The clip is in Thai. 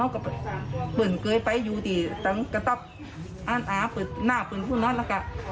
ก็เปิดเกาะไปอยู่ดีซ์ตั้งกระต๊อบอ่านอาเปิดหน้าเปิดพูดนั้นละกับ